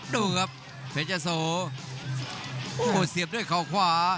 ดูครับเพชรโสโอ้เสียบด้วยข่าวขวา